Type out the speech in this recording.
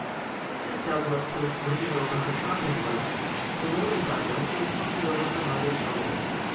Mrs. Douglas was looking over her shopping list, and Lily Douglas was looking over her mother's shoulder.